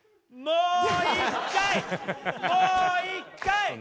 もう１回！